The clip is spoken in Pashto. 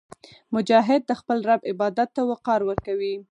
مجاهد د خپل رب عبادت ته وقار ورکوي.